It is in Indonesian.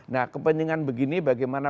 nah kepentingan begini bagaimana